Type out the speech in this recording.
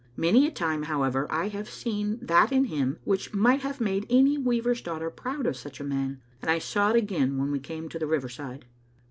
Many a time, however, I have seen that in him which might have made any weaver's daughter proud of such a man, and I saw it again when we came to the river side.